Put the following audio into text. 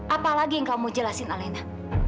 apalagi yang kamu jelasin alena